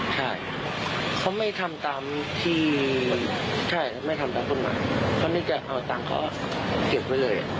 ใช่ไม่ทำตัวมาเขาไม่แก่เอาตังค์เขาเก็บไว้เลย